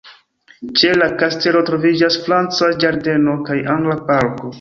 Ĉe la kastelo troviĝas franca ĝardeno kaj angla parko.